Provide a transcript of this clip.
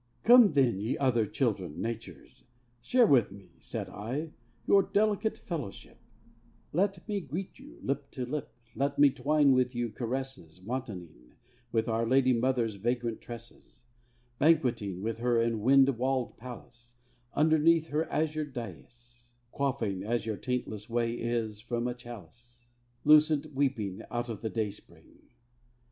"Come then, ye other children, Nature's share With me" (said I) "your delicate fellowship; Let me greet you lip to lip, Let me twine with you caresses, Wantoning With our Lady Mother's vagrant tresses, Banqueting With her in her wind walled palace, Underneath her azured daïs, Quaffing, as your taintless way is, From a chalice Lucent weeping out of the dayspring."